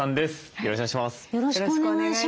よろしくお願いします。